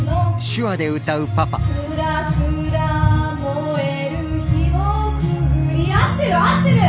「くらくら燃える火をくぐり」合ってる合ってる！